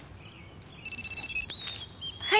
はい